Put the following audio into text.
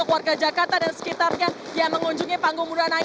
warga jakarta dan sekitarnya yang mengunjungi panggung bundaran hi